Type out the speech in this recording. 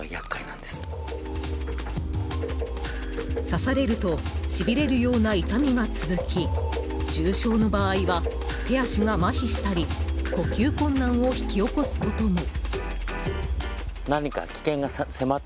刺されるとしびれるような痛みが続き重症の場合は手足がまひしたり呼吸困難を引き起こすことも。